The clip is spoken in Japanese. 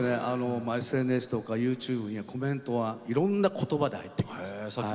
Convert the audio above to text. ＳＮＳとかＹｏｕＴｕｂｅにコメントがいろんな言葉で入っています。